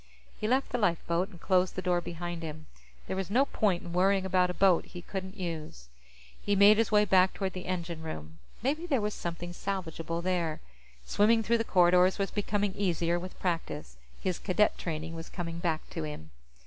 He left the lifeboat and closed the door behind him. There was no point in worrying about a boat he couldn't use. He made his way back toward the engine room. Maybe there was something salvageable there. Swimming through the corridors was becoming easier with practice; his Cadet training was coming back to him.